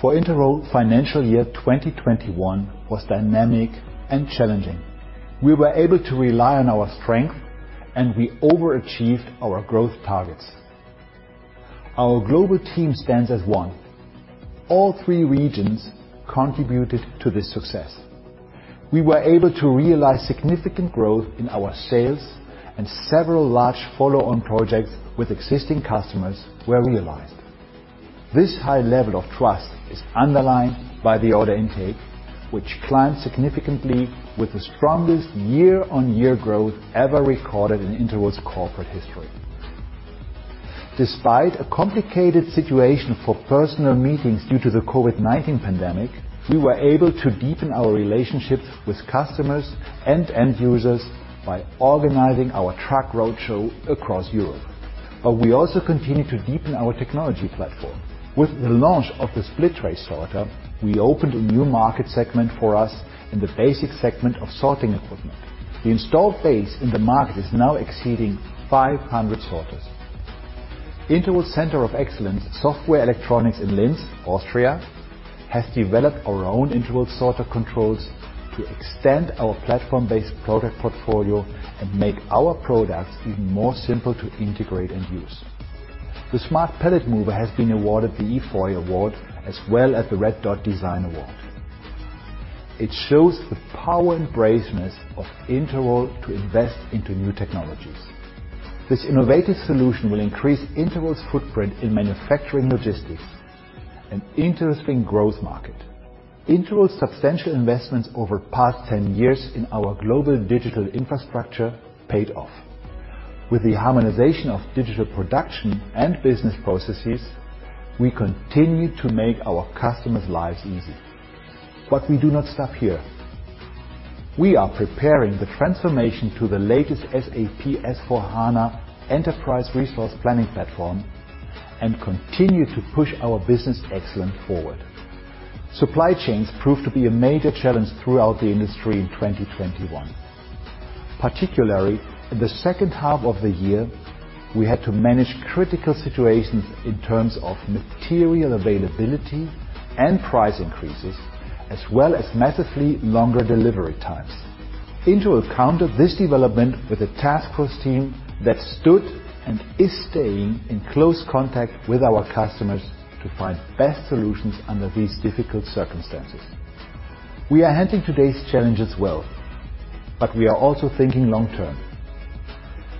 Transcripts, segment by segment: For Interroll financial year 2021 was dynamic and challenging. We were able to rely on our strength and we overachieved our growth targets. Our global team stands as one. All three regions contributed to this success. We were able to realize significant growth in our sales, and several large follow-on projects with existing customers were realized. This high level of trust is underlined by the order intake, which climbed significantly with the strongest year-on-year growth ever recorded in Interroll's corporate history. Despite a complicated situation for personal meetings due to the COVID-19 pandemic, we were able to deepen our relationships with customers and end users by organizing our truck road show across Europe. We also continue to deepen our technology platform. With the launch of the Split Tray Sorter, we opened a new market segment for us in the basic segment of sorting equipment. The installed base in the market is now exceeding 500 sorters. Interroll Global Competence Center Software & Electronics in Linz, Austria, has developed our own Interroll sorter controls to extend our platform-based product portfolio and make our products even more simple to integrate and use. The Smart Pallet Mover has been awarded the iF Design Award, as well as the Red Dot Design Award. It shows the power and braveness of Interroll to invest into new technologies. This innovative solution will increase Interroll's footprint in manufacturing logistics, an interesting growth market. Interroll's substantial investments over past 10 years in our global digital infrastructure paid off. With the harmonization of digital production and business processes, we continue to make our customers' lives easy. We do not stop here. We are preparing the transformation to the latest SAP S/4HANA Enterprise Resource Planning platform and continue to push our business excellence forward. Supply chains proved to be a major challenge throughout the industry in 2021. Particularly, in the second half of the year, we had to manage critical situations in terms of material availability and price increases, as well as massively longer delivery times. Interroll countered this development with a task force team that stood, and is staying, in close contact with our customers to find the best solutions under these difficult circumstances. We are handling today's challenges well, but we are also thinking long-term.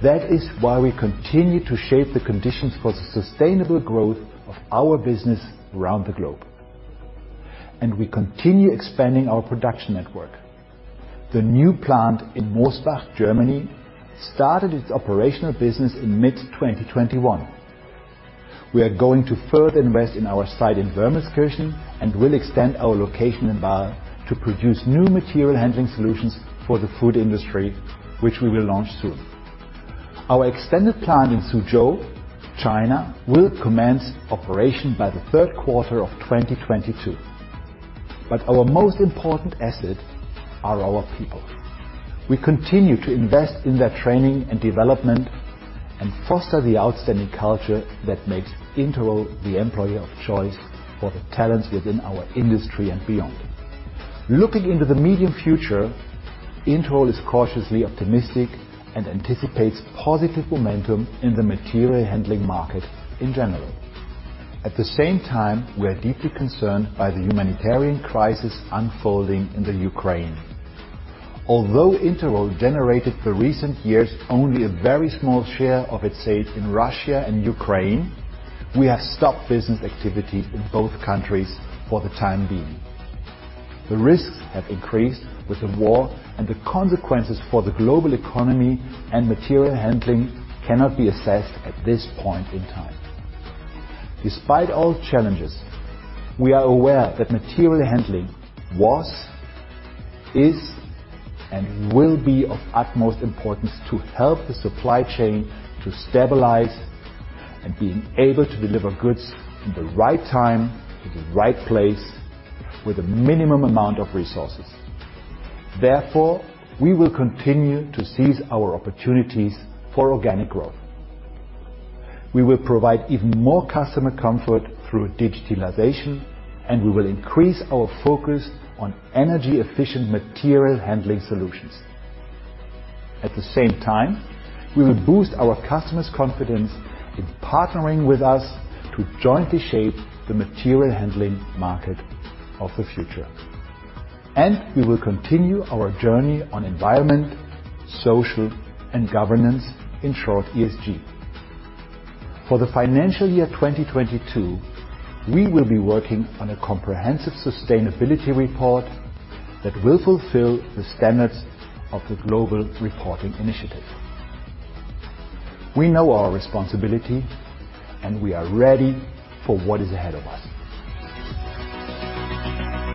That is why we continue to shape the conditions for the sustainable growth of our business around the globe, and we continue expanding our production network. The new plant in Mosbach, Germany, started its operational business in mid-2021. We are going to further invest in our site in Wermelskirchen and will extend our location in Baal to produce new material handling solutions for the food industry, which we will launch soon. Our extended plant in Suzhou, China, will commence operation by the third quarter of 2022. Our most important asset are our people. We continue to invest in their training and development and foster the outstanding culture that makes Interroll the employer of choice for the talents within our industry and beyond. Looking into the medium future, Interroll is cautiously optimistic and anticipates positive momentum in the material handling market in general. At the same time, we are deeply concerned by the humanitarian crisis unfolding in the Ukraine. Although Interroll generated for recent years only a very small share of its sales in Russia and Ukraine, we have stopped business activity in both countries for the time being. The risks have increased with the war and the consequences for the global economy and material handling cannot be assessed at this point in time. Despite all challenges, we are aware that material handling was, is, and will be of utmost importance to help the supply chain to stabilize and being able to deliver goods in the right time, to the right place, with a minimum amount of resources. Therefore, we will continue to seize our opportunities for organic growth. We will provide even more customer comfort through digitalization, and we will increase our focus on energy-efficient material handling solutions. At the same time, we will boost our customers' confidence in partnering with us to jointly shape the material handling market of the future. We will continue our journey on environment, social, and governance, in short, ESG. For the financial year 2022, we will be working on a comprehensive sustainability report that will fulfill the standards of the Global Reporting Initiative. We know our responsibility and we are ready for what is ahead of us.